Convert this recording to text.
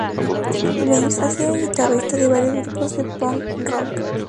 James ha sido guitarrista de varios grupos de punk rock.